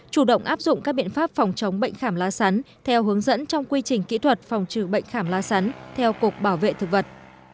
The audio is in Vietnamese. chủ động áp dụng các biện pháp phòng chống bệnh khảm lá sắn theo hướng dẫn trong quy trình kỹ thuật phòng trừ bệnh khảm lá sắn theo cục bảo vệ thực vật